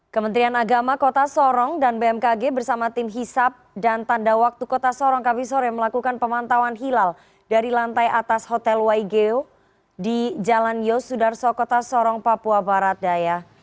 kementerian agama kota sorong dan bmkg bersama tim hisap dan tanda waktu kota sorong kami sore melakukan pemantauan hilal dari lantai atas hotel waigeo di jalan yosudarso kota sorong papua barat daya